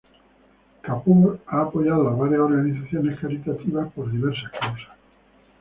Kapoor ha apoyado a varias organizaciones caritativas por diversas causas.